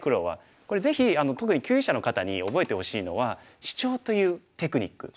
これぜひ特に級位者の方に覚えてほしいのはシチョウというテクニック。